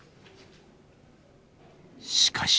しかし。